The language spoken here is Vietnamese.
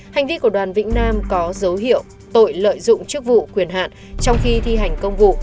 hành vi của đoàn vĩnh nam có dấu hiệu tội lợi dụng chức vụ quyền hạn trong khi thi hành công vụ